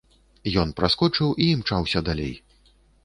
Ён праскочыў і імчаўся далей.